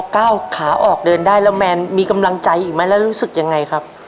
ก้าวขาออกเดินได้แล้วแมนมีกำลังใจอีกไหมแล้วรู้สึกยังไงครับ